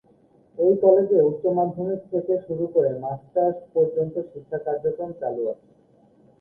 এই কলেজে উচ্চ মাধ্যমিক থেকে শুরু করে মাস্টার্স পর্যন্ত শিক্ষা কার্যক্রম চালু আছে।